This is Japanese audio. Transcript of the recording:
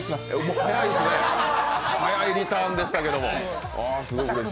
早いですね早いリターンでしたけども。